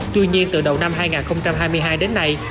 tuy nhiên từ đầu năm hai nghìn hai mươi hai đến nay